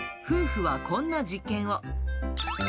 夫婦はこんな実験を。